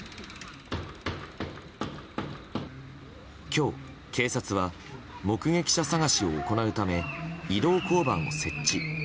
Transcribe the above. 今日、警察は目撃者探しを行うため移動交番を設置。